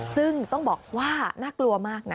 ซึ่งต้องบอกว่าน่ากลัวมากนะ